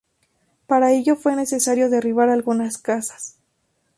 Para ello fue necesario derribar algunas casas.